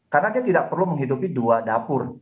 karena dia tidak perlu menghidupi dua dapur